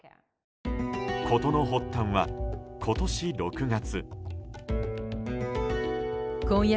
事の発端は今年６月。